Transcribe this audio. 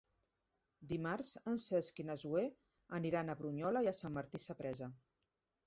Dimarts en Cesc i na Zoè aniran a Brunyola i Sant Martí Sapresa.